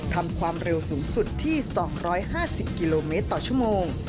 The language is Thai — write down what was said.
ความเร็วสูงสุดที่๒๕๐กิโลเมตรต่อชั่วโมง